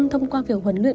thông qua việc huấn luyện